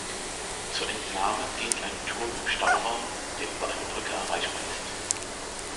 Zur Entnahme dient ein Turm im Stauraum, der über eine Brücke erreichbar ist.